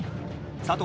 佐藤